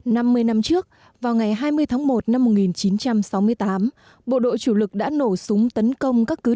năm mươi năm trước vào ngày hai mươi tháng một năm một nghìn chín trăm sáu mươi tám bộ đội chủ lực đã nổ súng tấn công các cứ